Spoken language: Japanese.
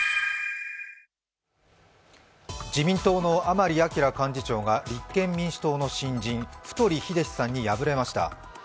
自民党の甘利明幹事長が立憲民主党の新人、太栄志さんに敗れました。